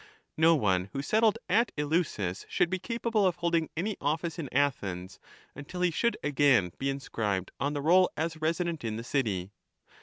No one who settled at Eleusis should be capable of holding any office in Athens until he should again register himself on the roll as a resident in the city.